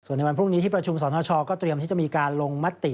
ในวันพรุ่งนี้ที่ประชุมสรณชอก็เตรียมที่จะมีการลงมติ